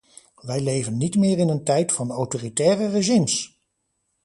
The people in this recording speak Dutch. Wij leven niet meer in een tijd van autoritaire regimes!